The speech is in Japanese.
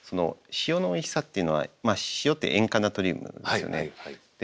塩のおいしさっていうのはまあ塩って塩化ナトリウムですよね。